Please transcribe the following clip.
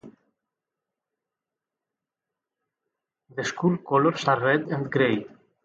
The school colors are red and gray.